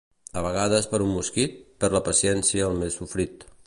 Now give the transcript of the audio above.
A vegades per un mosquit, perd la paciència el més «sofrit».